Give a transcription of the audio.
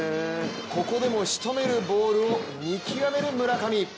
ここでもしとめるボールを見極める村上。